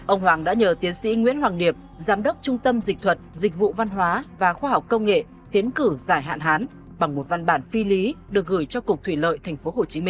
ông hoàng đã nhờ tiến sĩ nguyễn hoàng điệp giám đốc trung tâm dịch thuật dịch vụ văn hóa và khoa học công nghệ tiến cử giải hạn hán bằng một văn bản phi lý được gửi cho cục thủy lợi tp hcm